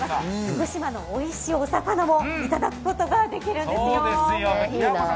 福島のおいしいお魚もいただくことができるんですよ。